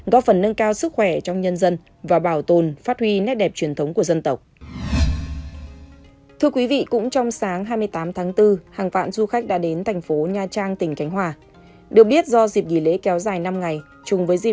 góp phần nâng cao sức khỏe trong nhân dân và bảo tồn phát huy nét đẹp truyền thống của dân tộc